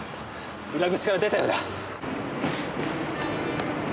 裏口から出たようだ。